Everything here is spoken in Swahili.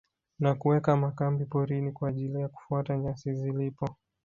Na kuweka makambi porini kwa ajili ya kufuata nyasi zilipo